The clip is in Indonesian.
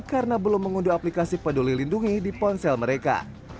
karena belum mengunduh aplikasi peduli lindungi di ponsel mereka